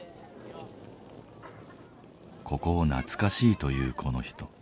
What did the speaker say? ここを懐かしいと言うこの人。